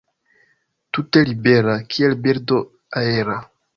Tute libera, kiel birdo aera.